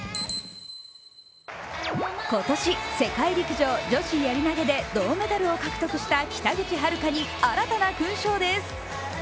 今年、世界陸上女子やり投げで銅メダルを獲得した北口榛花に新たな勲章です。